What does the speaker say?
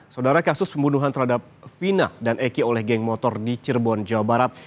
saudara kasus pembunuhan terhadap fina dan eki oleh geng motor di cirebon jawa barat